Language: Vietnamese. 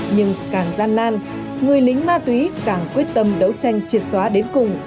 nhưng càng gian nan người lính ma túy càng quyết tâm đấu tranh triệt xóa đến cùng